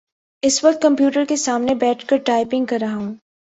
اس وقت کمپیوٹر کے سامنے بیٹھ کر ٹائپنگ کر رہا ہوں